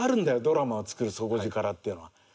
ドラマを作る底力っていうのは。